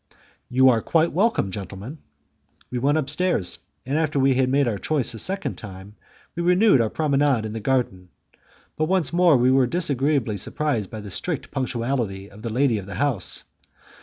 "You are quite welcome, gentlemen." We went upstairs, and after we had made our choice a second time, we renewed our promenade in the garden. But once more we were disagreeably surprised by the strict punctuality of the lady of the house.